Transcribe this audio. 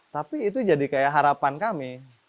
tapi itu jadi kayak harapan kami